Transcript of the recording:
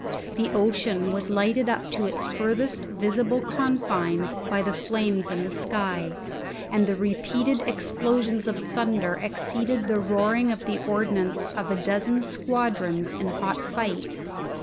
The ocean was lighted up to its furthest visible confines by the flames in the sky, and the repeated explosions of thunder exceeded the roaring of the ordnance of a dozen squadrons in hot fight.